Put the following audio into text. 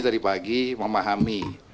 tadi pagi memahami